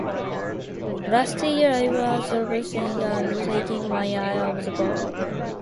Last year I was overswinging and taking my eye of the ball.